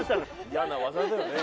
嫌な技だよね。